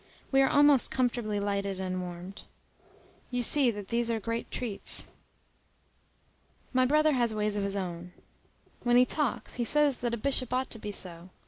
We are almost comfortably lighted and warmed. You see that these are great treats. My brother has ways of his own. When he talks, he says that a bishop ought to be so.